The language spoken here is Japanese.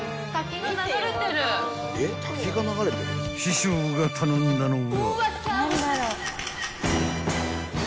［師匠が頼んだのは？］